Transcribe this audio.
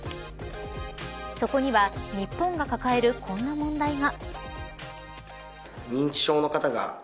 そこには日本が抱えるこんな問題が。